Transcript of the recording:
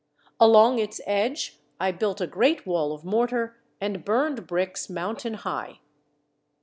Along its edge I built a great wall of mortar and burned bricks moun tain high.